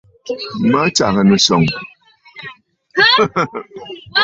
Matsàgə̀ nɨ̀sɔ̀ŋ.